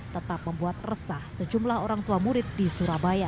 tetap membuat resah sejumlah orang tua murid di surabaya